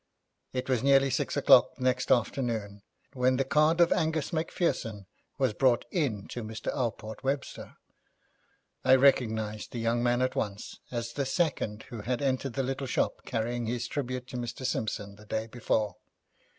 It was nearly six o'clock next afternoon when the card of Angus Macpherson was brought in to Mr. Alport Webster. I recognised the young man at once as the second who had entered the little shop carrying his tribute to Mr. Simpson the day before.